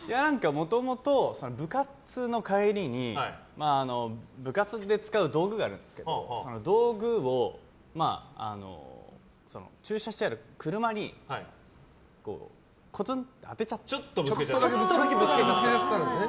もともと部活の帰りに部活で使う道具があるんですけど道具を駐車してある車にコツンと当てちゃったんです。